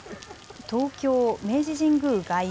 東京・明治神宮外苑。